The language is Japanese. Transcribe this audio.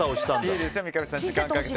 いいですよ、三上さん時間をかけて。